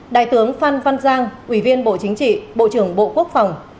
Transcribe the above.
đại tướng phan văn giang ủy viên bộ chính trị bộ trưởng bộ quốc phòng